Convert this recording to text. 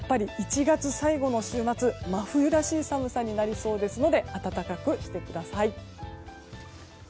１月最後の週末、真冬らしい寒さになりそうですので暖かくしてください。